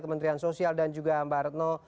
kementerian sosial dan juga mbak retno